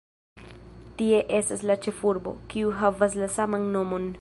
Tie estas la ĉefurbo, kiu havas la saman nomon.